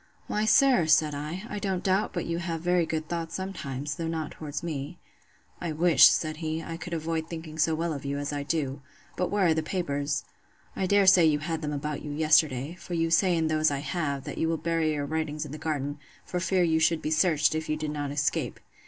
Why, sir, said I, I don't doubt but you have very good thoughts sometimes, though not towards me. I wish, said he, I could avoid thinking so well of you as I do. But where are the papers?—I dare say you had them about you yesterday; for you say in those I have, that you will bury your writings in the garden, for fear you should be searched, if you did not escape.